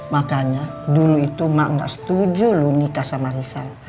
makanya dulu itu mak gak setuju loh nikah sama risa